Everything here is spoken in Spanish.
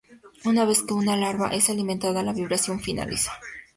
Una vez que una larva es alimentada la vibración finaliza.